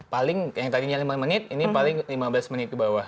paling yang tadinya lima menit ini paling lima belas menit ke bawah